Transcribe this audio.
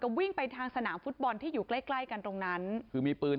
ตอนนี้กำลังจะโดดเนี่ยตอนนี้กำลังจะโดดเนี่ย